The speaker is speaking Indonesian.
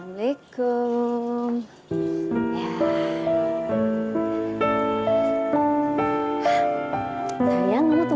minta orang di dalam